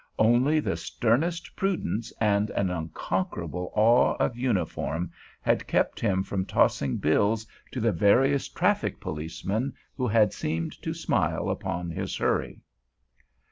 Only the sternest prudence and an unconquerable awe of uniform had kept him from tossing bills to the various traffic policemen who had seemed to smile upon his hurry.